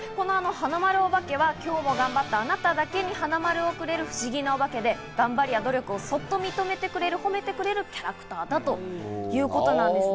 はなまるおばけは今日も頑張ったあなただけにハナマルをくれる不思議なおばけで、頑張りや努力をそっと褒めてくれるキャラクターだということなんですね。